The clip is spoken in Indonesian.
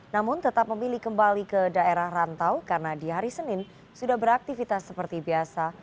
namun tetap memilih kembali ke daerah rantau karena di hari senin sudah beraktivitas seperti biasa